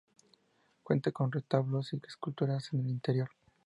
Cuenta con retablos y esculturas en el interior.